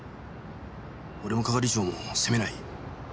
俺も係長も責めない。